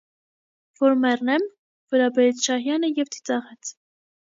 - Որ մեռնե՞մ,- վրա բերեց Շահյանը և ծիծաղեց: